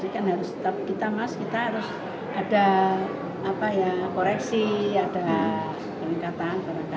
jadi kan harus kita mas kita harus ada koreksi ada peningkatan